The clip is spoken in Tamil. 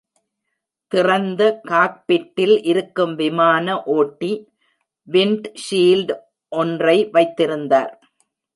திறந்த காக்பிட்டில் இருக்கும் விமான ஓட்டி, விண்ட்ஷீல்ட் ஒன்றை வைத்திருந்தார்.